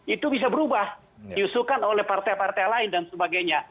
itu bisa berubah diusulkan oleh partai partai lain dan sebagainya